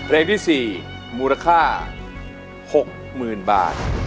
เพลงที่๔มูลค่า๖๐๐๐บาท